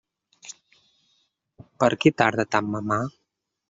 Per què tarda tant Mamà?